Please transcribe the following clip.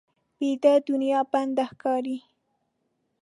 ویده دنیا بنده ښکاري